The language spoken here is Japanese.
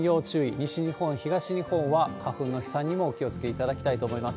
西日本、東日本は花粉の飛散にもお気をつけいただきたいと思います。